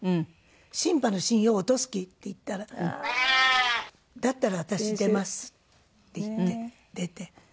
「新派の信用落とす気？」って言ったら「だったら私出ます」って言って出て。